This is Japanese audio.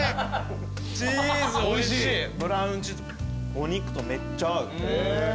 お肉とめっちゃ合う。